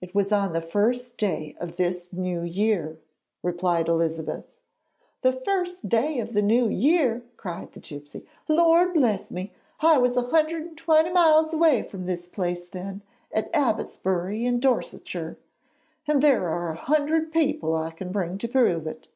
'It was on the first day of this New Year,' replied Elizabeth. 'The first day of the New Year?' cried the gipsy. 'Lord bless me! I was an hundred and twenty miles away from this place then, at Abbotsbury in Dorsetshire, and there are a hundred people I can bring to prove it.'